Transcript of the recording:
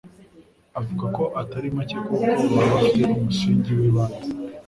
avuga ko atari make kuko baba bafite umusingi w'ibanze